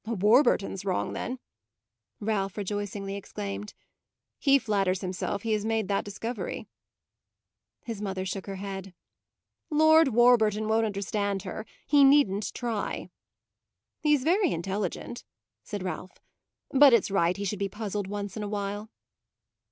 "Warburton's wrong then!" Ralph rejoicingly exclaimed. "He flatters himself he has made that discovery." His mother shook her head. "Lord Warburton won't understand her. He needn't try." "He's very intelligent," said Ralph; "but it's right he should be puzzled once in a while."